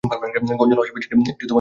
Gonzalo আশপাশে একটি বাড়ির খোঁজ করে।